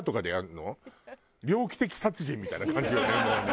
猟奇的殺人みたいな感じよね